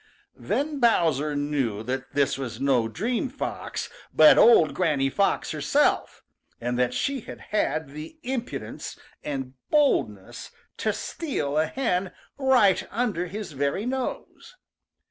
Then Bowser knew that this was no dream fox, but old Granny Fox herself, and that she had had the impudence and boldness to steal a hen right under his very nose!